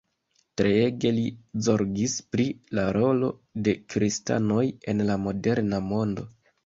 Treege li zorgis pri la rolo de kristanoj en la moderna mondo.